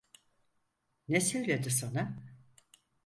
Ne söyledi sana?